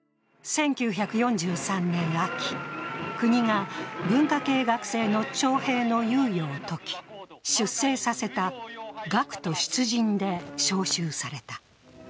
１９４３年秋、国が文化系学生の徴兵の猶予を解き出征させた学徒出陣で召集された。